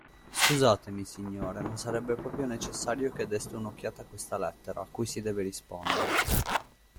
Scusatemi, signore, ma sarebbe proprio necessario che deste un'occhiata a questa lettera, a cui si deve rispondere.